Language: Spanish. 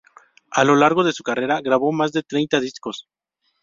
A lo largo de su carrera grabó más de treinta discos.